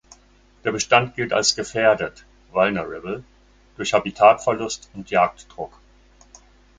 Der Bestand gilt als gefährdet ("Vulnerable") durch Habitatverlust und Jagddruck.